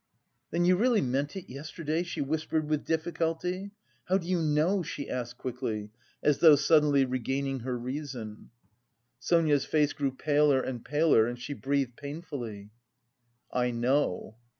"Then you really meant it yesterday?" she whispered with difficulty. "How do you know?" she asked quickly, as though suddenly regaining her reason. Sonia's face grew paler and paler, and she breathed painfully. "I know."